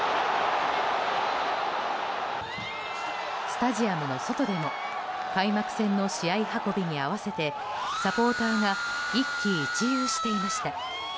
スタジアムの外でも開幕戦の試合運びに合わせてサポーターが一喜一憂していました。